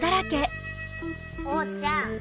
おうちゃん